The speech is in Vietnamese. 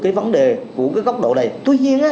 cái vấn đề của cái góc độ này tuy nhiên